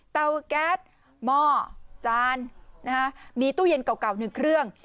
เตาแก๊สหม้อจานมีตู้เย็นเก่า๑เครื่อง